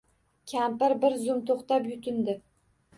— Kampir bir zum toʼxtab, yutindi.